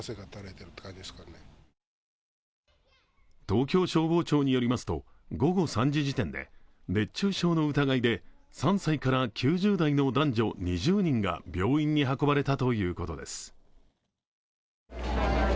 東京消防庁によりますと午後３時時点で熱中症の疑いで３歳から９０代の男女２０人が病院に運ばれたということです。